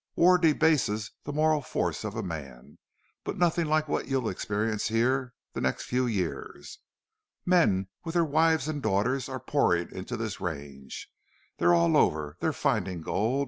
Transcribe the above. War debases the moral force of a man, but nothing like what you'll experience here the next few years. Men with their wives and daughters are pouring into this range. They're all over. They're finding gold.